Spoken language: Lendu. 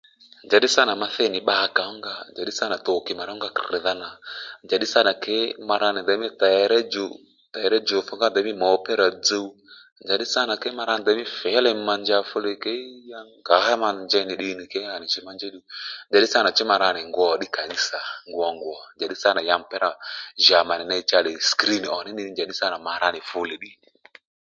Njà ddí sâ nà ma thi nì bba kà ó nga njà ddí sâ nà thòwkì mà rónga krìdha nà njà ddí sânà kee ma ra nì ndèymî tèré djò tèré djò fu ngá ndèymî mupírà dzuw njà ddí sâ nà ma ra nì kee filimu mà njà fulè ke ya ngǎ ma nì njèy nì ddiy nì à nì jǐ ma njèy ddu chú ma ra nì ngwo ò ddí kanisa ngwongwǒ njà ddí sâ nà ya mupira njǎ mà nì ney chalè sikirin ò ní nì njà ddí sâ nà ma ra nì fule ddí